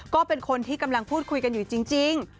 ก็เป็นคนที่กำลังพูดคุยกันอยู่จริง